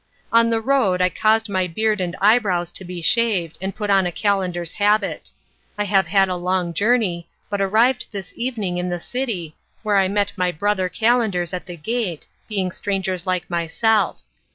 On the road I caused my beard and eyebrows to be shaved, and put on a Calender's habit. I have had a long journey, but arrived this evening in the city, where I met my brother Calenders at the gate, being strangers like myself.